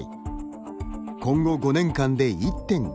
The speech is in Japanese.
今後５年間で１．５倍に。